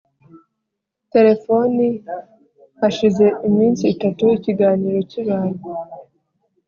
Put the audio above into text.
telefoni hashize iminsi itatu ikiganiro kibaye.